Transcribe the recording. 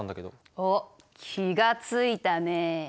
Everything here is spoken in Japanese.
おっ気が付いたね。